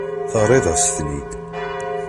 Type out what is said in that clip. Terriḍ-as-ten-id.